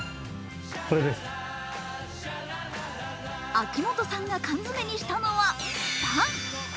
秋元さんが缶詰にしたのはパン。